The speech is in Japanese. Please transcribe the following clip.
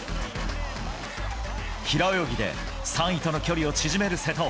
平泳ぎで３位との距離を縮める瀬戸。